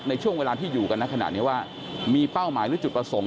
ในช่วงเวลาที่อยู่กันในขณะนี้ว่ามีเป้าหมายหรือจุดประสงค์